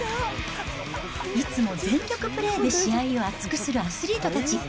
いつも全力プレーで試合を熱くするアスリートたち。